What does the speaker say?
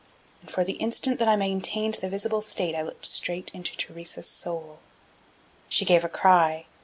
And for the instant that I maintained the visible state I looked straight into Theresa's soul. She gave a cry.